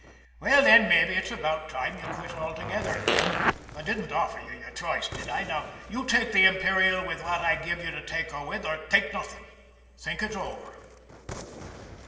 Well, then, mabbe it's about time you quit altogether. I didn't offer you your choice, did I? You take the Imperial with what I give you to take her with or take nothing. Think it over!"